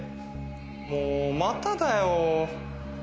もうまただよ